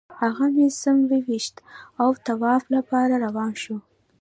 هغه مې سم وویشت او طواف لپاره روان شوو.